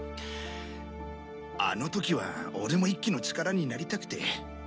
あの時は俺も一輝の力になりたくて。